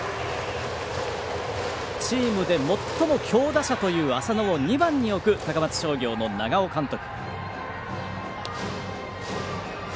チームで最も強打者という浅野を２番に置く高松商業の長尾監督。